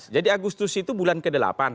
jadi agustus itu bulan ke delapan